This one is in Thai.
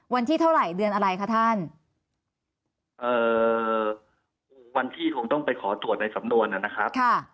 วันที่เท่าไหร่เดือนอะไรคะท่านเอ่อวันที่คงต้องไปขอตรวจในสำนวนนะครับ